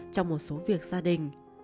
trong một số việc gia đình